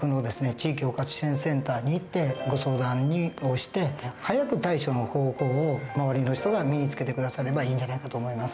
地域包括支援センターに行ってご相談をして早く対処の方法を周りの人が身につけて下さればいいんじゃないかと思います。